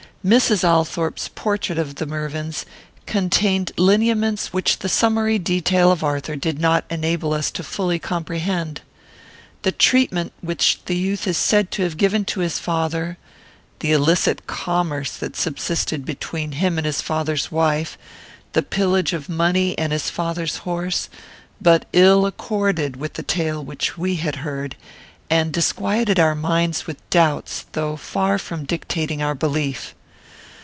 Mrs. Althorpe's portrait of the Mervyns contained lineaments which the summary detail of Arthur did not enable us fully to comprehend. The treatment which the youth is said to have given to his father; the illicit commerce that subsisted between him and his father's wife; the pillage of money and his father's horse, but ill accorded with the tale which we had heard, and disquieted our minds with doubts, though far from dictating our belief.